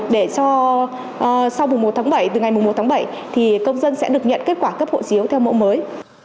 do sau mùa một tháng bảy từ ngày mùa một tháng bảy công dân sẽ được nhận kết quả cấp hộ chiếu theo mẫu mới